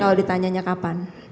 kalau ditanyanya kapan